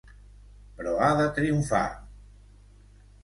Però ha de triomfar!